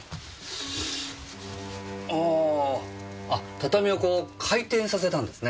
畳をこう回転させたんですね。